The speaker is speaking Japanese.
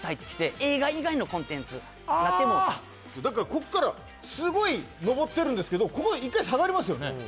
だからこっからすごい上ってるんですけどここで１回下がりますよね